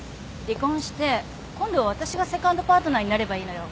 離婚して今度は私がセカンドパートナーになればいいのよ。